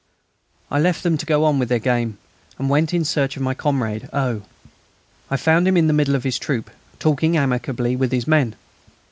I left them to go on with their game, and went in search of my comrade O. I found him in the middle of his troop, talking amicably with his men.